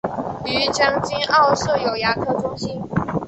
于将军澳设有牙科中心。